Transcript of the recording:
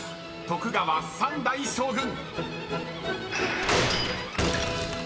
徳川三代将軍］